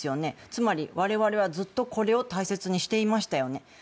つまり、我々はずっとこれを大切にしていましたよね。